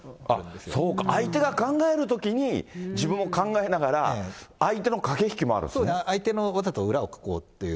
そうか、相手が考えるときに、自分も考えながら、相手の駆け引そうですね、相手の、わざと裏をかこうという。